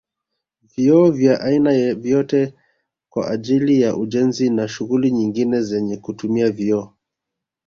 Vioo vya aina vyote kwa ajili ya ujenzi na shughuli nyingine zenye kutumia vioo